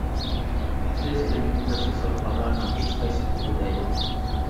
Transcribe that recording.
سىز مەن ئىنكاس يېزىۋاتقانلارنىڭ ھېچقايسى تۈرىدە يوق.